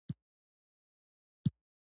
انسان چې کله صبر کوي د يوه انسان په مقابل کې وي.